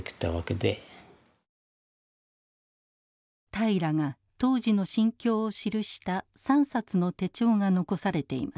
平良が当時の心境を記した３冊の手帳が残されています。